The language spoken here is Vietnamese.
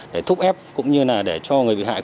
để thúc ép cũng như là để cho người bị hại